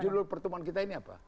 judul pertemuan kita ini apa